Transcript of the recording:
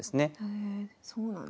へえそうなんですね。